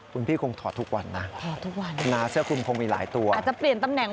คุณพี่คงถอดทุกวันนะถอดทุกวันนะเสื้อคุณคงมีหลายตัวอาจจะเปลี่ยนตำแหน่ง